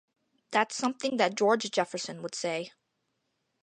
That's something that George Jefferson would say.